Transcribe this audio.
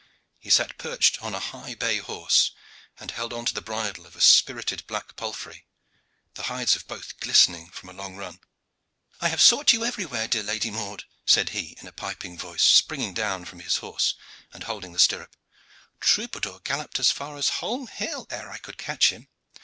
He sat perched on a high bay horse, and held on to the bridle of a spirited black palfrey, the hides of both glistening from a long run. "I have sought you everywhere, dear Lady Maude," said he in a piping voice, springing down from his horse and holding the stirrup. "Troubadour galloped as far as Holmhill ere I could catch him.